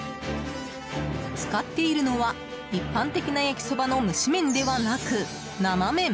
使っているのは一般的な焼きそばの蒸し麺ではなく、生麺。